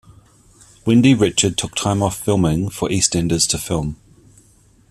Wendy Richard took time off filming for "EastEnders" to film.